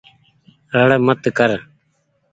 رڙ مت ڪر ۔